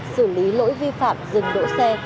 xử lý lỗi vi phạm rừng đỗ xe